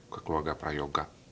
ke keluarga prayoga